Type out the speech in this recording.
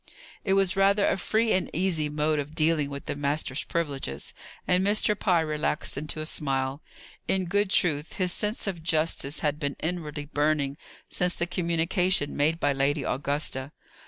It was rather a free and easy mode of dealing with the master's privileges, and Mr. Pye relaxed into a smile. In good truth, his sense of justice had been inwardly burning since the communication made by Lady Augusta.